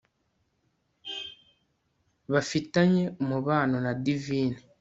bafitanye umubano na divine